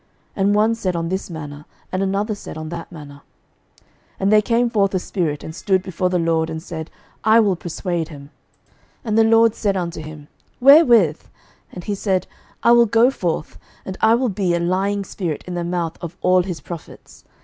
And one said on this manner, and another said on that manner. 11:022:021 And there came forth a spirit, and stood before the LORD, and said, I will persuade him. 11:022:022 And the LORD said unto him, Wherewith? And he said, I will go forth, and I will be a lying spirit in the mouth of all his prophets.